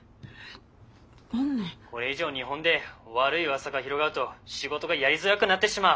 これ以上日本で悪いうわさが広がると仕事がやりづらくなってしまう。